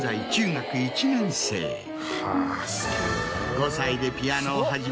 ５歳でピアノを始め